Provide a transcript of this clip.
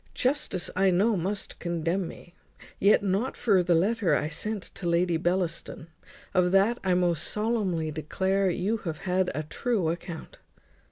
Justice I know must condemn me. Yet not for the letter I sent to Lady Bellaston. Of that I most solemnly declare you have had a true account."